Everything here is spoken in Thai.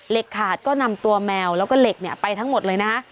ขาดก็นำตัวแมวแล้วก็เหล็กไปทั้งหมดเลยนะฮะ